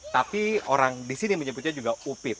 tapi orang di sini menyebutnya juga upit